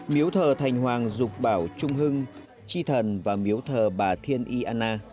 miếu thờ thành hoàng dục bảo trung hưng chi thần và miếu thờ bà thiên y anna